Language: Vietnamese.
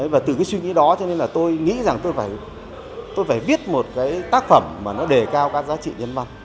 và từ cái suy nghĩ đó cho nên là tôi nghĩ rằng tôi phải viết một cái tác phẩm mà nó đề cao các giá trị nhân văn